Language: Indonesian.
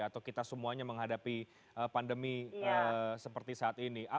atau kita semuanya menghadapi pandemi seperti saat ini